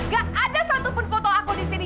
gak ada satupun foto aku disini